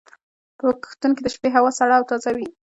په کښتونو کې د شپې هوا سړه او تازه وي.